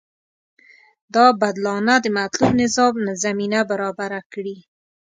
دا بدلانه د مطلوب نظام زمینه برابره کړي.